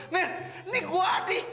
mir ini gue adi